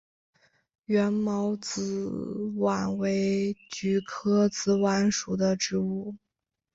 缘毛紫菀为菊科紫菀属的植物。